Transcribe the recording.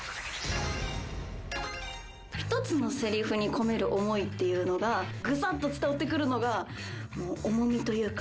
１つのセリフに込める思いっていうのがグサッと伝わってくるのがもう重みというか。